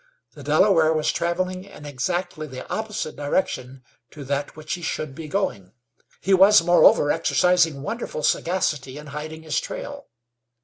The Delaware was traveling in exactly the opposite direction to that which he should be going. He was, moreover, exercising wonderful sagacity in hiding his trail.